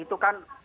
itu kan usulan dan